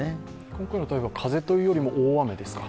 今回の台風は風というよりも大雨ですか。